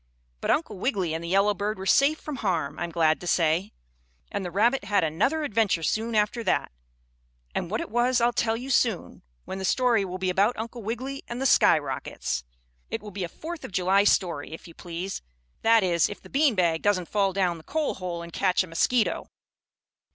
But Uncle Wiggily and the yellow bird were safe from harm, I'm glad to say. And the rabbit had another adventure soon after that, and what it was I'll tell you soon, when the story will be about Uncle Wiggily and the skyrockets. It will be a Fourth of July story, if you please; that is if the bean bag doesn't fall down the coal hole and catch a mosquito.